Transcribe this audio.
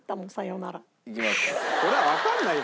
それはわかんないよ